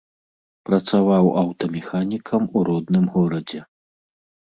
Працаваў аўтамеханікам у родным горадзе.